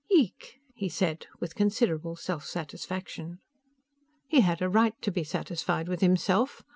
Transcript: "Yeek," he said, with considerable self satisfaction. He had a right to be satisfied with himself.